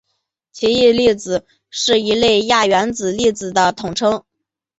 奇异粒子是一类亚原子粒子的统称。